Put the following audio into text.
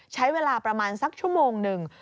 ใช้เวลาประมาณสักชั่วโมงหนึ่ง